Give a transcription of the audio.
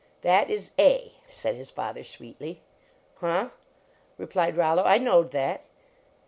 "That is A," said his father, sweetly. "Huh," replied Rollo, " I knowed that."